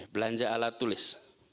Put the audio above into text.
belanja alat tulis